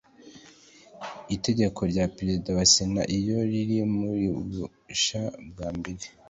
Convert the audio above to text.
itegeko perezida wa sena iyo riri mu bubasha bwa mbere